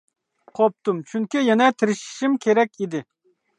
قوپتۇم چۈنكى يەنە تىرىشىشىم كېرەك ئىدى.